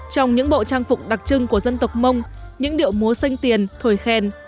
trong những bộ trang phục đặc trưng của dân tộc mông những điệu múa xanh tiền thổi khen